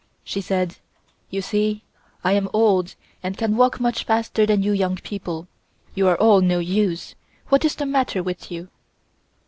She said: "You see I am old, and can walk much faster than you young people. You are all no use. What is the matter with you?"